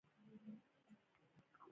په افغانستان کې کلتور ډېر اهمیت لري.